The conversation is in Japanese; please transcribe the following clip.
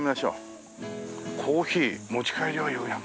コーヒー持ち帰りは４００円。